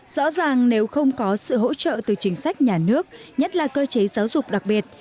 rõ ràng nếu không có sự hỗ trợ từ chính sách nhà nước nhất là cơ chế giáo dục đặc biệt